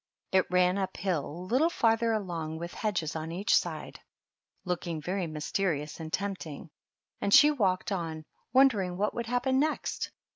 It ran up hill a little farther along, with hedges on each side, looking very mysterious and tempt ing ; and she walked on, wondering what would happen next.